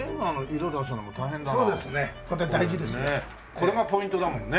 これがポイントだもんね？